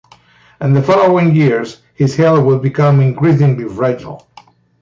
In the following years, his health would become increasingly fragile.